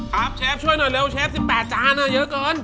เชฟช่วยหน่อยเร็วเชฟ๑๘จานเยอะเกิน